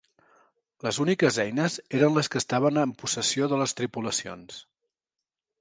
Les úniques eines eren les que estaven en possessió de les tripulacions.